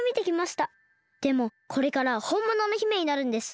でもこれからはほんものの姫になるんです。